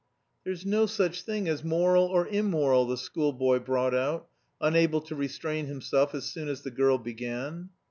"There's no such thing as moral or immoral," the schoolboy brought out, unable to restrain himself as soon as the girl began.